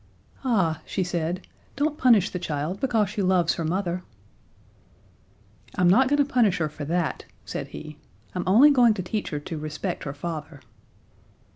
"Ah," she said, "don't punish the child because she loves her mother." "I'm not going to punish her for that," said he. "I'm only going to teach her to respect her father."